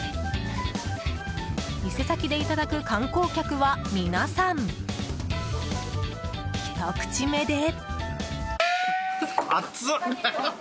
店先でいただく観光客は皆さん、ひと口目で。